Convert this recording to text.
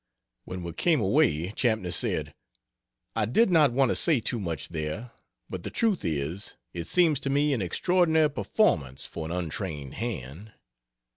When we came away, Champney said, "I did not want to say too much there, but the truth is, it seems to me an extraordinary performance for an untrained hand.